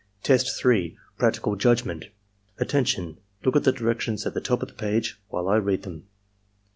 Test 3. — ^Practical Judgment "Attention! Look at the directions at the top of the page while I read them.